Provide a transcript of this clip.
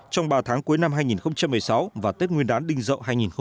trong ba tháng cuối năm hai nghìn một mươi sáu và tết nguyên đán đinh dậu hai nghìn một mươi chín